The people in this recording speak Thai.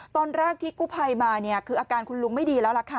ตอนแรกที่กู้ภัยมาเนี่ยคืออาการคุณลุงไม่ดีแล้วล่ะค่ะ